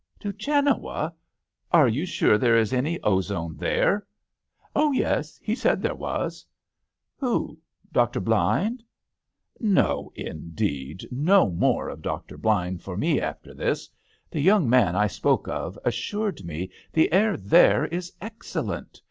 " To Genoa ! Are you sure there is any ozone there ?"Oh yes ; he said there was." " Who ? Dr. Blind ?"" No, indeed. No more of Dr. Blind for me after this. The young man I spoke of as sured me the air there is excel lent.